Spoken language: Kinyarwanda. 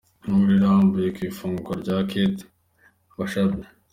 Inkuru irambuye ku ifungwa rya Kate Bashabe.